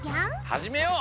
はじめよう！